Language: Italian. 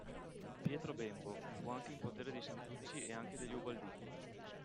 Pietro Bembo; fu anche in potere dei Santucci e anche degli Ubaldini.